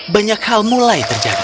banyak hal mulai terjadi